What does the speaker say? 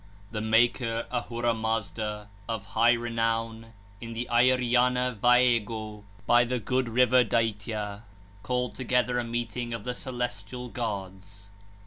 21 (42) 1. The Maker, Ahura Mazda, of high renown 2 in the Airyana Vaêgô, by the good river Dâitya 3, called together a meeting of the celestial gods.